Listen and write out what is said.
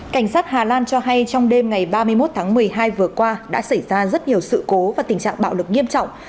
cảnh sát hà lan cho hay trong đêm ngày ba mươi một tháng một mươi hai vừa qua đã xảy ra rất nhiều sự cố và tình trạng bạo lực nghiêm trọng